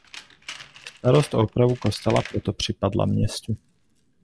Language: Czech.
Starost o opravu kostela proto připadla městu.